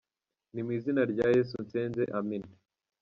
Ni mu izina rya Yesu nsenze, amina.